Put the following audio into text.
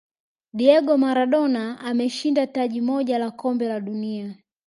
diego maradona ameshinda taji moja la kombe la dunia